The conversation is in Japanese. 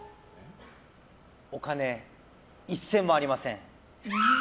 お金、一銭もありません。